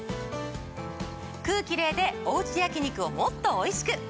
クーキレイでおうち焼き肉をもっとおいしく！